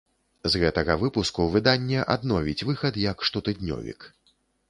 З гэтага выпуску выданне адновіць выхад як штотыднёвік.